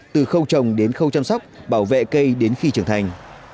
từ khâu trồng đến khâu chăm sóc bảo vệ cây đến khi trưởng thành